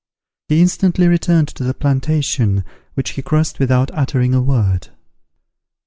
He instantly returned to the plantation, which he crossed without uttering a word.